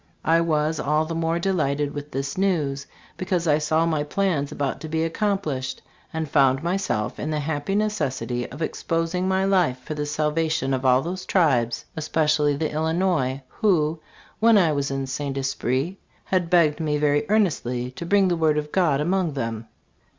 I was all the more delighted with this news because I saw my plans about to be accomplished, and found myself in the happy necessity of exposing my life for the salvation of all those tribes, especially the Illinois, who, when I was at St. Esprit, had begged me very earnestly to bring the word of God among thsm."